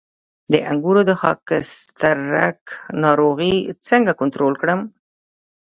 د انګورو د خاکسترک ناروغي څنګه کنټرول کړم؟